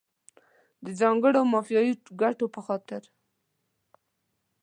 د ځانګړو مافیایي ګټو په خاطر.